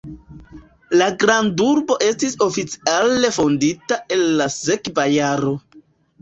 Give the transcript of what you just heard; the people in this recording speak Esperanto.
La grandurbo estis oficiale fondita en la sekva jaro.